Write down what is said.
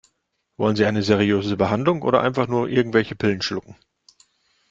Wollen Sie eine seriöse Behandlung oder einfach nur irgendwelche Pillen schlucken?